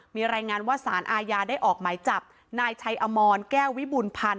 มีรายงานว่าสารอาญาได้ออกหมายจับนายชัยอมรแก้ววิบูรณพันธ์